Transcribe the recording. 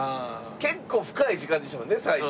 結構深い時間でしたもんね最初。